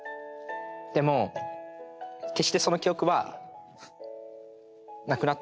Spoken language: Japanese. でも決してその記憶はなくなったわけではなく。